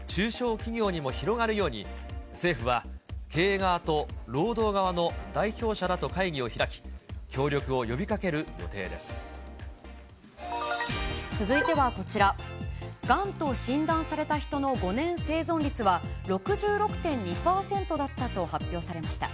賃上げが大企業だけでなく、中小企業にも広がるように、政府は、経営側と労働側の代表者らと会議を開き、協力を呼びかけ続いてはこちら、がんと診断された人の５年生存率は６６．２％だったと発表されました。